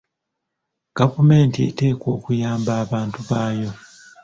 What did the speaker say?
Gavumenti eteekwa okuyamba abantu baayo.